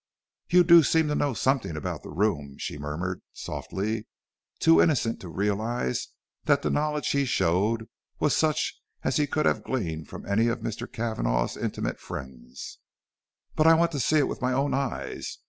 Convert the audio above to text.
"You do seem to know something about the room," she murmured softly, too innocent to realize that the knowledge he showed was such as he could have gleaned from any of Mr. Cavanagh's intimate friends. "But I want to see it with my own eyes.